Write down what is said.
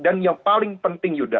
dan yang paling penting yuda